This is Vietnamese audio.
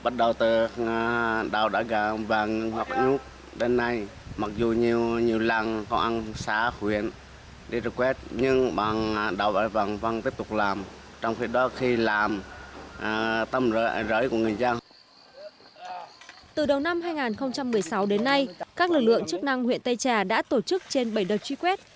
từ đầu năm hai nghìn một mươi sáu đến nay các lực lượng chức năng huyện tây trà đã tổ chức trên bảy đợt truy quét